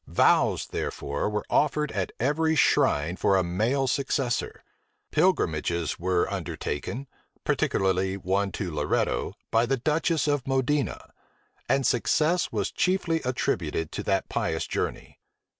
Vows, therefore, were offered at every shrine for a male successor: pilgrimages were undertaken, particularly one to Loretto, by the duchess of Modena; and success was chiefly attributed to that pious journey.